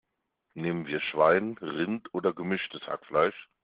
Nehmen wir Schwein, Rind oder gemischtes Hackfleisch?